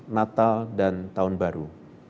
natal dan tahun baru